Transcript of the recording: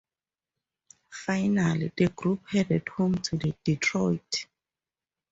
Finally, the group headed home to Detroit.